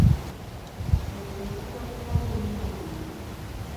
Ezo eziba zitaliimu munnyo.